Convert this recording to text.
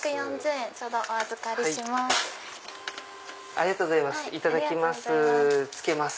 ありがとうございます。